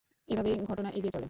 এভাবেই ঘটনা এগিয়ে চলে।